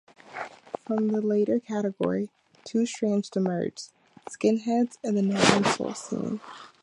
From the latter category, two strands emerged: skinheads and the Northern soul scene.